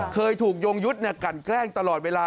เคยถูกยงยุทธ์กันแกล้งตลอดเวลา